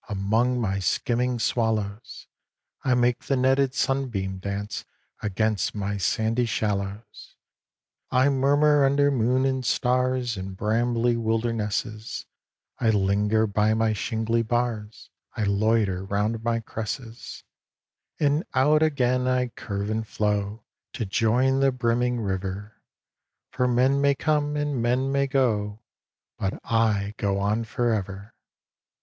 Among my skimming swallows; I make the netted sunbeam dance Against my sandy shallows. I murmur under moon and stars In brambly wildernesses; I linger by my shingly bars; I loiter round my cresses; And out again I curve and flow To join the brimming river, For men may come and men may go, But I go on for ever.